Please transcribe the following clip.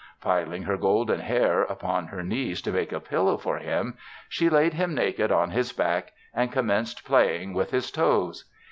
Piling her golden hair upon her knees to make a pillow for him, she laid him naked on his back and commenced playing with his toes.